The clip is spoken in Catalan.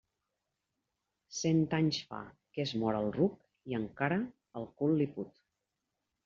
Cent anys fa que és mort el ruc i encara el cul li put.